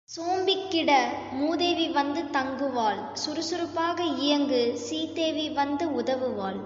சோம்பிக்கிட மூதேவி வந்து தங்குவாள் சுறுசுறுப்பாக இயங்கு சீதேவி வந்து உதவுவாள்.